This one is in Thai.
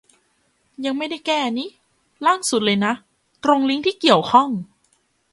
ยังไม่ได้แก้นิ ล่างสุดเลยนะ ตรง ลิงก์ที่เกี่ยวข้อง